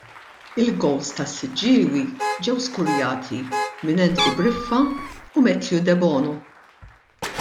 Il-gowls ta' Siġġiewi ġew skurjati minn Andrew Briffa u Matthew Debono.